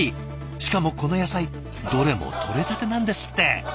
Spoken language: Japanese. しかもこの野菜どれもとれたてなんですって！